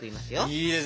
いいですね。